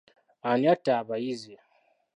Ani atta abayizi?